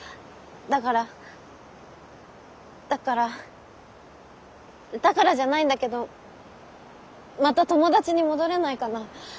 だからだからだからじゃないんだけどまた友達に戻れないかな？